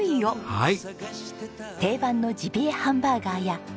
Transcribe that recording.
はい。